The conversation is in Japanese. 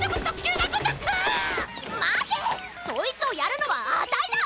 そいつをやるのはあたいだ！